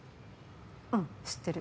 うん知ってる。